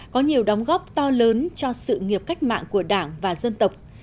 có nhiều đóng góp to lớn cho sự nghiệp cách mạng của đảng và dân tộc